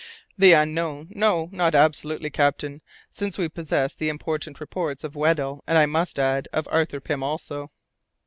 "The Unknown! No, not absolutely, captain, since we possess the important reports of Weddell, and, I must add, of Arthur Pym also."